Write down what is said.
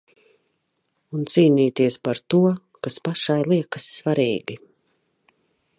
Un cīnīties par to, kas pašai liekas svarīgi.